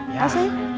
ya apa sih